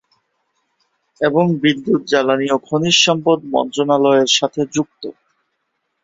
এবং বিদ্যুৎ, জ্বালানি ও খনিজ সম্পদ মন্ত্রণালয়ের সাথে যুক্ত।